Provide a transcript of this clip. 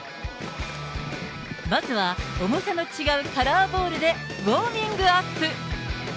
まずは重さの違うカラーボールでウォーミングアップ。